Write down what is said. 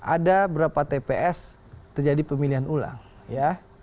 ada berapa tps terjadi pemilihan ulang ya